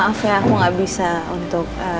maaf ya aku gak bisa untuk